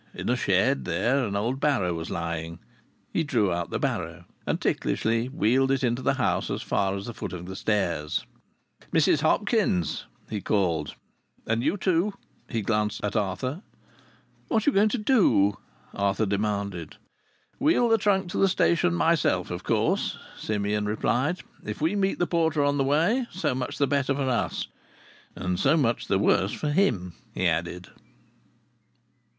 In a shed there an old barrow was lying. He drew out the barrow, and ticklishly wheeled it into the house, as far as the foot of the stairs. "Mrs Hopkins," he called. "And you too!" he glanced at Arthur. "What are you going to do?" Arthur demanded. "Wheel the trunk to the station myself, of course," Simeon replied. "If we meet the porter on the way, so much the better for us ... and so much the worse for him!" he added.